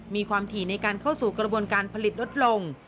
มีความถี่ในการเข้าสู่กระบวนการผลิตลดลง